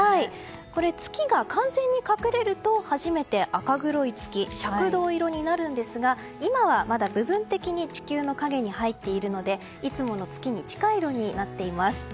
これ、月が完全に隠れると初めて赤黒い月赤銅色になるんですが今はまだ部分的に地球の陰に入っているのでいつもの月に近い色になっています。